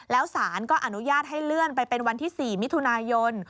แล้วสารก็อนุญาตให้เลื่อนไปเป็นวันที่๔มิถุนายน